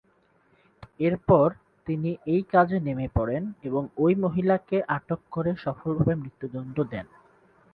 এরপর তিনি এই কাজে নেমে পড়েন এবং ঐ মহিলাকে আটক করে সফলভাবে মৃত্যুদন্ড দেন।